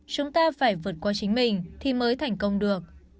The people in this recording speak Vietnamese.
chúng ta phải vượt qua chính mình thì mới thành công được